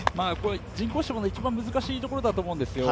人工芝の一番難しいところだと思うんですよ。